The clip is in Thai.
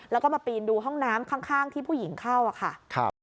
แล้วก็มาปีนดูห้องน้ำข้างที่ผู้หญิงเข้าอะค่ะ